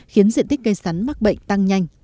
khiến diện tích cây sắn mắc bệnh tăng nhanh